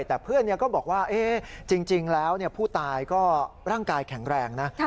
แต่เพื่อนก็บอกว่าจริงแล้วผู้ตายก็ร่างกายแข็งแรงนะ